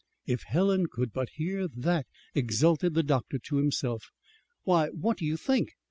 ("If Helen could but hear that!" exulted the doctor to himself.) "Why, what do you think?